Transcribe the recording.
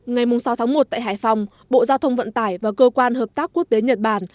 ngày sáu tháng một tại hải phòng bộ giao thông vận tải và cơ quan hợp tác quốc tế nhật bản